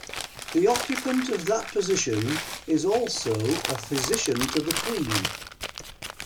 The occupant of that position is also a Physician to the Queen.